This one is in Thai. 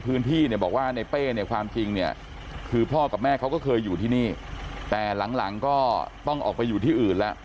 ประภาพบ้านเป็นอย่างนี้มานานหรือยัง